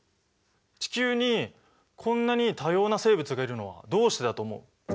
地球にこんなに多様な生物がいるのはどうしてだと思う？